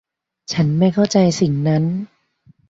ฉันไม่เข้าใจสิ่งนั้น